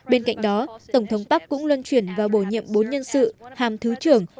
bên cạnh đó tổng thống park cũng luân chuyển và bổ nhiệm bốn nhân sự hàm thứ trưởng